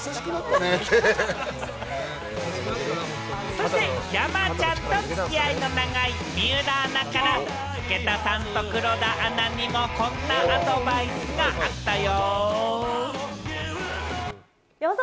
そして山ちゃんと付き合いの長い水卜アナから、武田さんと黒田アナにもこんなアドバイスがあったよ！